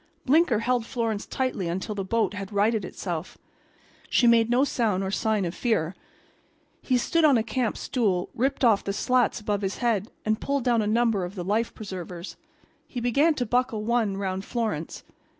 Blinker held Florence tightly until the boat had righted itself. She made no sound or sign of fear. He stood on a camp stool, ripped off the slats above his head and pulled down a number of the life preservers. He began to buckle one around Florence.